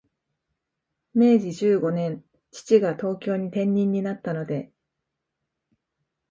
明治十五年、父が東京に転任になったので、